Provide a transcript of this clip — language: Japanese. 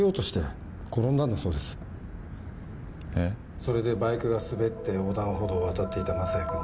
それでバイクが滑って横断歩道を渡っていた雅也君に。